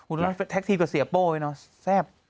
อุณหลังแท็กทีฟกับเสียโป้ไอ้เนาะแซ่บ